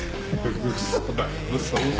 嘘だよ嘘嘘。